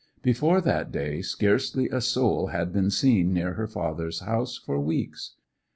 Before that day scarcely a soul had been seen near her father's house for weeks.